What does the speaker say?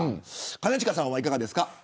兼近さん、いかがですか。